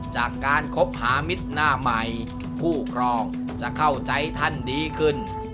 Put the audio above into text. จากการคบหามิตรหน้าใหม่ผู้ครองจะเข้าใจท่านดีขึ้น